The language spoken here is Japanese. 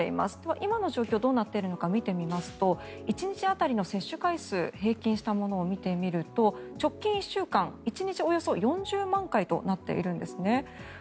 今の状況どうなっているのか見てみますと１日当たりの接種回数を平均したものを見てみると直近１週間１日およそ４０万回となっているんですね。